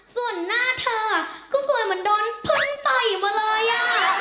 ส่วนหน้าเธอก็สวยเหมือนโดนพึ่งต่อยมาเลยอ่ะ